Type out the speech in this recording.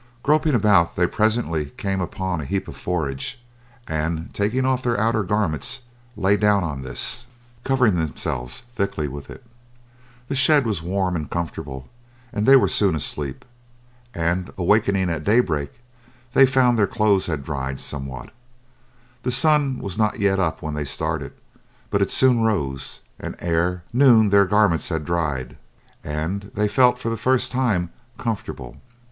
Groping about they presently came upon a heap of forage, and taking off their outer garments lay down on this, covering themselves thickly with it. The shed was warm and comfortable and they were soon asleep, and awaking at daybreak they found that their clothes had dried somewhat. The sun was not yet up when they started, but it soon rose, and ere noon their garments had dried, and they felt for the first time comfortable.